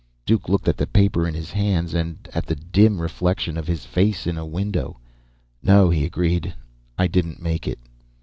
Duke looked at the paper in his hands and at the dim reflection of his face in a window. "No," he agreed. "I didn't make it."